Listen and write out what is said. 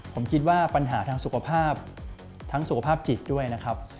ผมคิดว่าปัญหาทางสุขภาพทั้งสุขภาพจิตด้วยนะครับ